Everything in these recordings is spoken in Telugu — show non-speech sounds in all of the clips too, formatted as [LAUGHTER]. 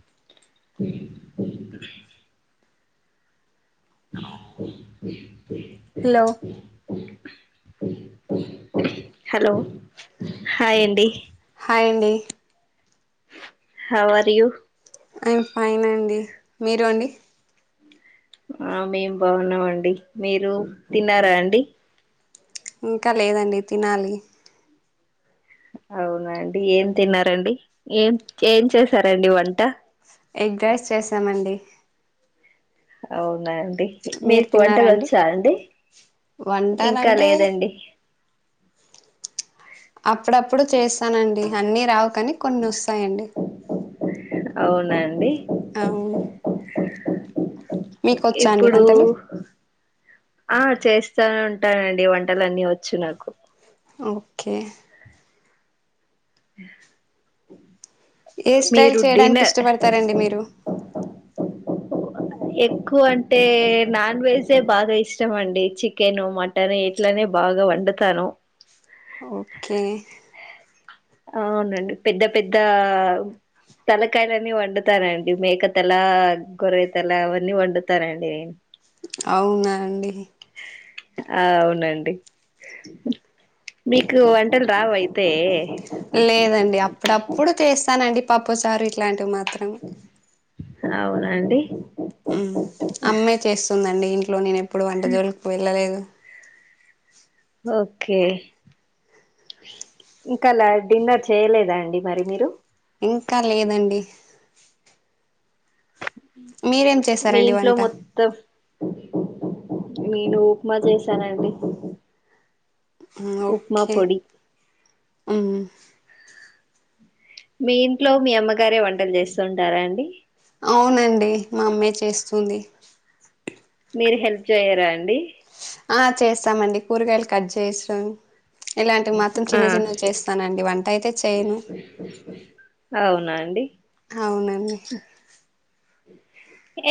మహ్ హలో హలో హాయ్ అండి హాయ్ అండి how are you I am fine అండి మీరు అండి ఆ మేం బాగున్నామండి మీరు తిన్నారా అండి ఇంకా లేదండి తినాలి అవునా అండి ఏం తిన్నారండి ఏం ఏం చేసారండి వంట ఎగ్ రైస్ చేసామండి అవునా మీరు మీకు తిన్నారా వంటలు వచ్చా అండి ఇంకా వంటాలంటే లేదండి అప్పుడప్పుడు చేస్తానండి అన్ని రావ్ కానీ కొన్ని వస్తాయండి అవునాండి అవ్ ఇప్పుడు వంటలు ఆ చేస్తా ఉంటానండి వంటలు అన్ని వచ్చు నాకు ఓకే ఏ స్టైల్ మీరు చేయడానికి డిన్నర్ ఇష్టపడతారండి మీరు ఎక్కువ అంటే నాన్ వెజే బాగా ఇష్టం అండి చికెన్ మటన్ ఇట్లనే బాగా వండతాను ఓకే అవునండి పెద్ద పెద్ద తలకాయలన్నీ వండుతానండి మేకతల గొర్రె తల అవన్నీ వండుతానండి నేను అవునా అండి ఆ అవునండి మీకు వంటలు రావు అయితే లేదండి అప్పుడప్పుడు చేస్తానండి పప్పుచారు ఇట్లాంటివి మాత్రం అవునా అండి అమ్మే చేస్తుందండి ఇంట్లో నేను ఎప్పుడు వంటజోకి వెళ్ళలేదు ఓకే ఇంకాలా డిన్నర్ చేయలేదా అండి మరి మీరు ఇంకా లేదండి మీరేం మీ చేశారండి ఇంట్లో వంట మొత్తం నేను ఉప్మా చేసానండి ఓకే ము మీ ఇంట్లో మీ అమ్మగారే వంటలు చేస్తుంటారా అండి అవునండి మా అమ్మాయి చేస్తుంది మీరు హెల్ప్ చేయరా అండి ఆ చేస్తామండి కూరగాయలు కట్ చేస్తాం ఇలాంటివి మాత్తం ఆ చిన్న చిన్నవి చేస్తానండి వంట అయితే చేయను ఉన్నా అండి అవునండి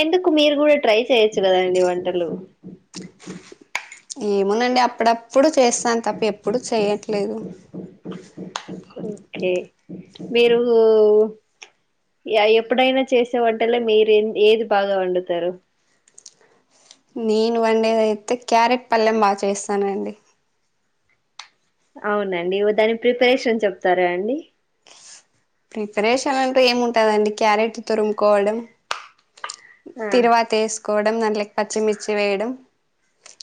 ఎందుకు మీరు కూడా ట్రై చేయొచ్చు కదాండి వంటలు ఏమోనండి అప్పుడ ప్పుడు చేస్తాను తప్ప ఎప్పుడు చేయట్లేదు ఓకే మీరు ఎప్పుడైనా చేసే వంటలే మీరు ఏది బాగా వండుతారు నేను వండేది అయితే క్యారెట్ పళ్లెం బాగా చేస్తానండి అవునండి దాని ప్రిపరేషన్ చెప్తారాండి ప్రిపరేషన్ అంటూ ఏముంటదండీ క్యారెట్ తురుముకోవడం ఆ తిరువాత ఏసుకోవడం దాంట్లేకి పచ్చిమిర్చి వేయడం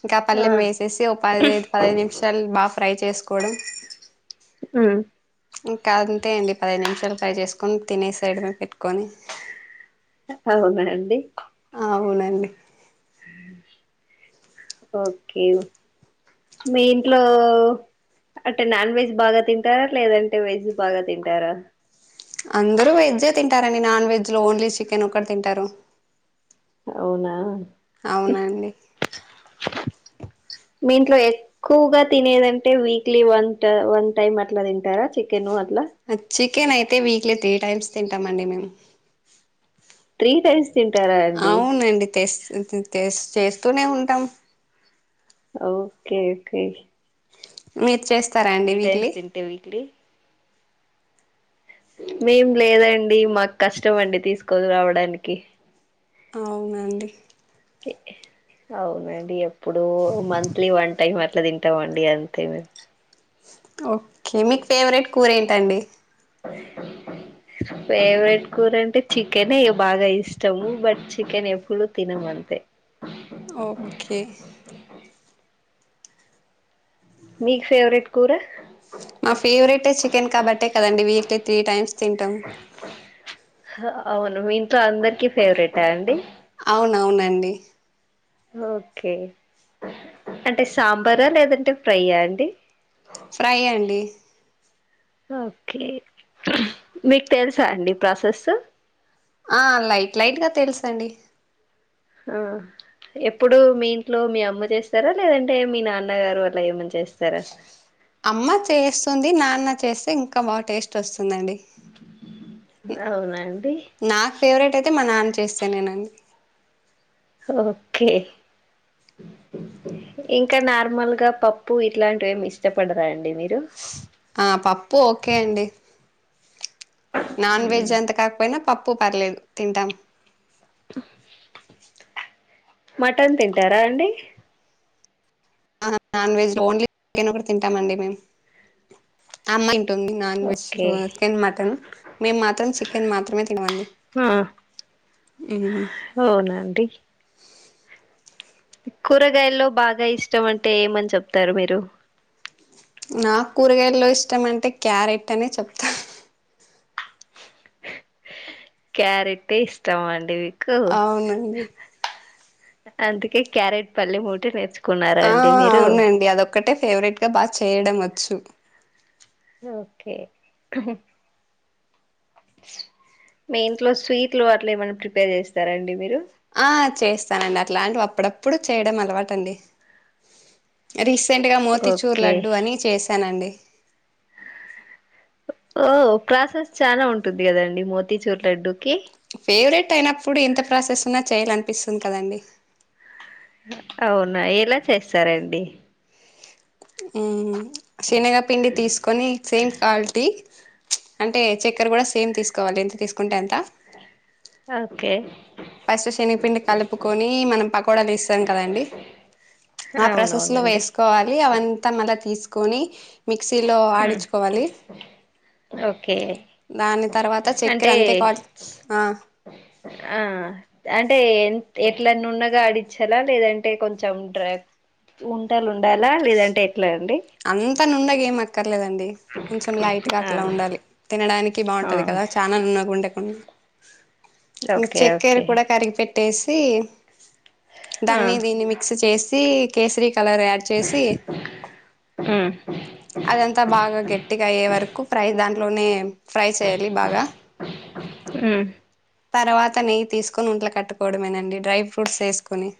ఇంకా ఆ పల్లెం వేసేసి ఒక పదైదు పదైదు నిమిషాలు బాగా ఫ్రై చేసుకోవడం చీక్ ఇకా అంతే అండి దైదు నిమిషాలు ఫ్రై చేసుకొని తినేసేయడమే పెట్టుకొని అవునా అండి అవునండి ఓకే మీ ఇంట్లో అట్టే నాన్ వెజ్ బాగా తింటారా లేదంటే వెజ్ బాగా తింటారా అందరూ వెజ్జె తింటారండి నాన్ వెజ్లో ఓన్లీ చికెన్ ఒక్కటి తింటారు అవునా అవునండి మీ ఇంట్లో ఎక్కువగా తినేదంటే వీక్లీ వన్ట్ వన్ టైమ్ అట్లా తింటారా చికెను అ ఆ చికెన్ అయితే వీక్లీ త్రీ టైమ్స్ తింటామండి మేము త్రీ టైమ్స్ తింటారా అండి ఇంతింతేస్ చేస్తూనే ఉంటాం ఓకే ఓకే మీరు చేస్త త్రీ టైమ్స్ తింటే వీక్లీ మేం లేదండి మాక్ కష్టం అండి తీసుకోని రావడానికి అవునాండి అవునండి ఎప్పుడో మంత్లీ వన్ టైమ్ అ ట్లా తింటామండి అంతేమేం ఓకే మీక్ ఫేవరెట్ కూర ఏంటండి హిం ఫేవరెట్ కూర అంటే చికెన్ ఎ బాగా ఇష్టము బట్ చికెన్ ఎప్పుడూ తినము అంతే ఓకే మీక్ ఫేవరెట్ కూర నా ఫేవరెటే చికెన్ కాబట్టే కదండి వీక్లీ త్రీ టైమ్స్ తింటాం ఆ అవును మీఇంట్లో అందరికి ఫేవరేటా అండి అవునవునండి ఓకే అంటే సాంబారా లేదంటే ఫ్రై ఆ అండి ఫ్రై అండి ఓకే మీకు తెలుసా అండి ప్రాసెసు ఆ లైట్ లైట్ గా టేల్స్ అండి ఆ ఎప్పుడు మీ ఇంట్లో మీ అమ్మ చేస్తారా లేదంటే మీ నాన్నగారు అట్ల ఏమన్నా చేస్తారా అమ్మ చేస్తుంది నాన్న చేస్తే ఇంకా బాగా టేస్ట్ వస్తుంది అండి అవునా అండి నాక్ ఫేవరెట్ అయితే మా నాన్న చేస్తేనేనండి ఓకే ఇంకా నార్మల్గా పప్పు ఇట్లాంటివి ఎం ఇష్టపడరా అండి మీరు ఆ పప్పు ఓకే అండి నాన్ మ్మ్. వెజ్ అంత కాకపోయినా పప్పు పర్లేదు తింటాం హ్మ్మ్ మటన్ తింటారా అండి ఆ నాన్ వెజ్ ఓన్లీ చికెన్ ఒకటి తింటామండి మేము అమ్మాయి అని non veg okay chicken mutton మేము మాత్రం చికెన్ మాత్రమే తినవం ఆ హా అవునా అండి కూరగాయలో బాగా ఇష్టం అంటే ఏమని చెప్తారు మీరు నాకు కూరగాయల్లో ఇష్టం అంటే క్యారెట్ అనే చెప్తా క్యరెట్ ఇష్టమండి వి అవునండి అందుకే క్యారెట్ పళ్లెం ఒకటే నేర్చుకున్నారా అండి మీరు ఒకటే ఫేవరెట్గా బాగా చేయడం వచ్చు ఓకే మీ ఇంట్లో స్వీట్లు అట్లా ఏమనా ప్రిపేర్ చేస్తారాండి మీరు ఆ చేస్తానండి అట్లాంటివి అప్పుప్పుడు చేయడం అలవాటండి రిస్ ట్గా మూతిచూర్ ఓకే లడ్డు అని చేశానండి ఓ ప్రాసెస్ చాలా ఉంటుంది కదండి మోతీచూర్ లడ్డూకి ఫేవరెట్ అయినప్పుడు ఎంత ప్రాసెస్ ఉన్నా చేయాలనీ అనిపిస్తుంది కదండి అవునా ఎలా చేస్తారండి ఉమ్ శనగపిండి తీసుకొని సేమ్ క్వాలిటీ అంటే చక్కర కూడా సేమ్ తీసుకోవాలి ఎంత తీసుకుంటే అంత ఓకే ఫస్ట్ శనగపిండి కలుపుకొని మనం పకోడాలు వేస్తాం కదండి ఆ ప్రాసెస్ లో అవునవునండి వేసుకోవాలి అవంతా మళ్ళా తీసుకొని మిక్సీలో ఉమ్, ఆడిచుకోవాలి ఓకే దాని తర్వాత చక్కెర అంటే అంతే కావ్ ఆ ఆ అంటే ఎ ఎట్లా నున్నగా ఆడించాలా లేదంటే కొంచెం డ్రా ఉంటాల ఉండాలా లేదంటే ఎట్లా అండి అంత నుండగా ఏం అకర్ లేదండి కొంచెం లైట్ గా ఆ అట్లా ఉండాలి తినడానికి ఆ బాగుంటంది కదా ఛాన నుండగా ఉంటే ఉ ఇంకా ఓకే చెక్కర ఓకే కూడా కరిగి పెట్ ట్టేసి ఆ దాని దీని మిక్స్ చేసి కేసరి కలర్ యాడ్ చేసి ఉమ్ అదంతా బాగా గట్టిగా అయ్యే వరకు ప్రై దాంట్లోనే ఫ్రై చేయాలి బాగా ఉం తర్వాత నెయ్యి తీసుకొని ఉండలు కట్టుకోవడమేనండి డ్రై ఫ్రూట్స్ వేసుకొని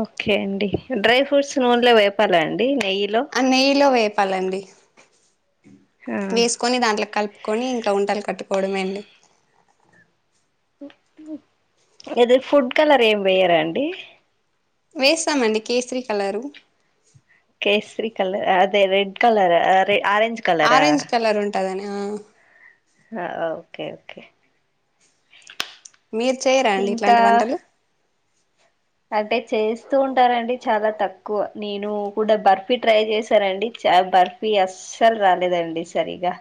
ఓకే అండి డ్రై ఫ్రూట్స్ నూనేలే వేపాలా అండి నెయ్యిలో లండి ఆ వేసుకొని దాంట్లో కలుపుకొని ఇంకా ఉండలు కట్టు కోవడమే అండి ఎదో ఫుడ్ కలర్ ఏం వెయ్యరా అండి వేస్తామండి కేసరి కలరు కేసరి కలర్ అదే రెడ్ కలర్ అదే ఆరెంజ్ కలరా దని ఆ ఆ ఓకే ఓకే మీరు చేయరా అండి ఇంకా ఇట్లాంటి వంటలు అంటే చేస్తూ ఉంటారండి చాలా తక్కువ నేను కూడా బర్ఫీ ట్రై చేశానండి చ బర్ఫీ అస్సలు రాలేదండి సరిగా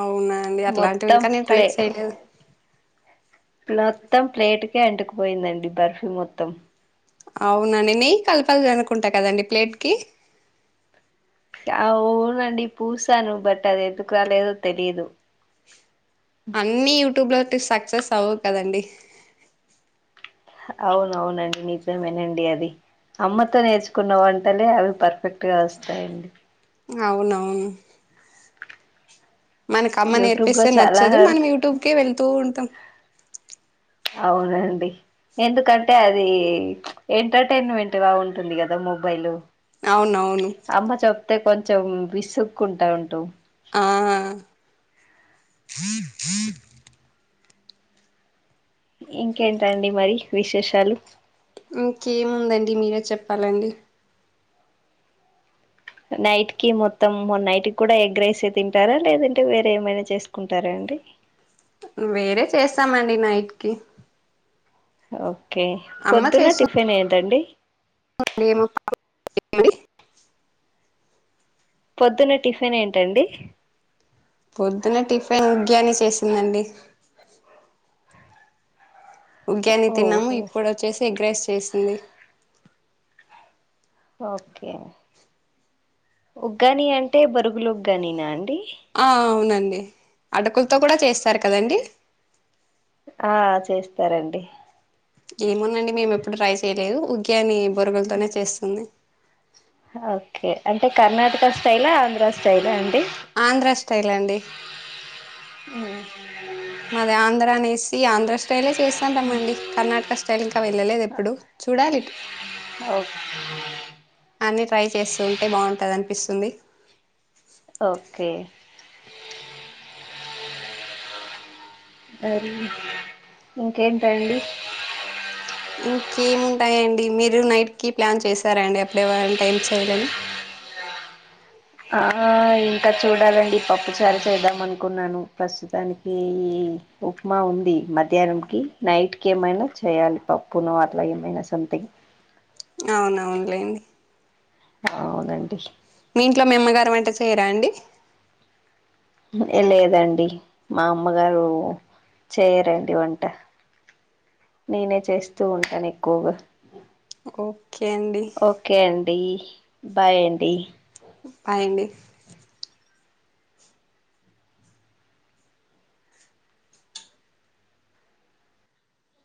అవునా అండి అట్లాంటివి మొత్తం ఇంకా నేను ట్రై ప్లే చేయలేదు మొత్తం ప్లేట్కే అంటుకు పోయిందండి బర్ఫీ మొత్తం అవునండి నెయ్యి కలపాల అనుకుంటా కదండి ప్లేట్ కి అవునండి పూసాను బట్ అది ఎందుకు రాలేదో తెలియదు అన్ని యూట్యూబ్ లో సక్సెస్ అవవు కదండి అవునవునండి నిజమేనండి అది అమ్మతో నేర్చుకున్న వంటలే అవి పర్ఫెక్ట్ గా వస్తాయండి అవునవును మనకు అమ్మ యూట్యూబ్లో నేర్పిస్తే చాలా నచ్చదు మనం వరకు యూట్యూబ్కే వెళ్తూ ఉంటాం అవునండి ఎందుకు అంటే అంటే అది ఎంటర్టైన్మెంట్గా ఉంటుంది కదా మొబైల్ అవునవును అయితే కొంచెం విసుక్కుంటా ఉంటావు ఆ ఇంకేంటండి మరి విశేషాలు ఇంకేముందండి మీరే చెప్పాలండి నైట్ కి మొత్తం మొన్న నైట్ కి కూడా ఎగ్ రైస్ యే తింటారా లేదంటే వేరే ఏమైనా చేసుకుంటారా అండి వేరే చేస్తామండి నైట్ కి ఓకే అమ్మ పొద్దున్న చేస్తుందండి టిఫిన్ ఏంటండి [INAUDIBLE] పొద్దున్న టిఫిన్ ఏంటండి పొద్దున టిఫిన్ ఉగ్గాని చేసిందండి ఉగ్గాని తిన్నాము ఓహో ఇప్పుడు వచ్చేసి ఎగ్ రైస్ చేసింది ఓకే ఉగ్గానీ అంటే బొరుగులు ఉగ్గాని నా అండి ఆ అవునండి అటుకులతో కూడా చేస్తారు కదండి ఆ చేస్తారండి ఏముందండి మేము ఎప్పుడు ట్రై చేయలేదు ఉగ్గాని బొరుగుల తోనే చేస్తుంది హ్ ఓకే అంటే కర్ణాటకా స్టైలా ఆంధ్ర స్టైలా అండి ఆంధ్రా స్టైల్ అండి వు మాది ఆంధ్రానేసీ ఆంధ్రా స్టై స్టైలే చేస్తాంటమ్మండి కర్ణాటక స్టైల్ ఇంకా వెళ్ళలేదు ఎప్పుడు చూడాలిటు. ఓ అన్ని ట్రై చేస్తూ ఉంటే బాగుంటది అన్పిస్తుంది. ఓకే అర్ ఇంకేంటండి ఇంకేముంటాయండి మీరు నైట్ కి ప్లాన్ చేశారా అండి అప్పుడు ఏ వంట ఏం చెయ్యాలని. ఆ ఇంకా చూడాలండి పప్పుచారు చేద్దాం అనుకున్నాను ప్రస్తుతానికీ. ఉప్మా ఉంది మధ్యాహ్నం కీ నైట్ కి ఏమైనా చేయాలి పప్పునో అట్లా ఏమైనా సమ్ అంటే అవునవునులేండి అవునండి మీ ఇంట్లో మీ అమ్మగారు వంట చెయ్యరా అండి. ఏ లేదండి మా అమ్మగారూ. చెయ్యరండి వంట నేనే చేస్తూ ఉంటాను ఎక్కువగా. ఓకే అండి డీ బాయ్ అండీ. బాయ్ అండి